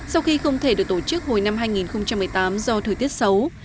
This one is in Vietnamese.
sau khi không thể được tổ chức hồi năm hai nghìn một mươi tám do thời tiết xấu